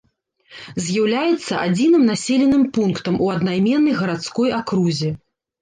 З'яўляецца адзіным населеным пунктам у аднайменнай гарадской акрузе.